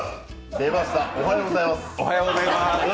出ました、おはようございます。